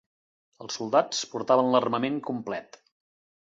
Els soldats portaven l'armament complet.